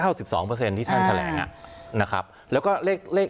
สิบสองเปอร์เซ็นต์ที่ท่านแถลงอ่ะนะครับแล้วก็เลขเลข